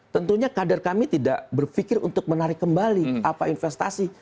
tentunya kader kami tidak berpikir untuk menarik kembali apa investasi